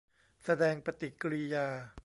แสดงปฏิกิริยา